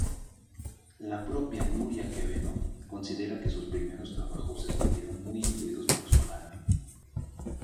La propia Nuria Quevedo considera que sus primeros trabajos estuvieron muy influidos por Solana.